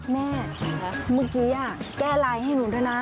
แม่เมื่อกี้แก้ไลน์ให้หนูด้วยนะ